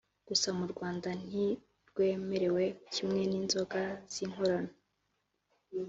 Gusa mu Rwanda ntirwemewe kimwe n’inzoga zinkorano